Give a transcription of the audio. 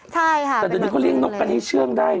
ใช่ค่ะแต่เดี๋ยวนี้เขาเลี้ยนกกันให้เชื่องได้